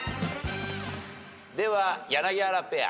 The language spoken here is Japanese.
では柳原ペア。